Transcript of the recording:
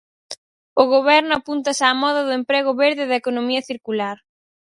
O Goberno apúntase á moda do emprego verde e da economía circular.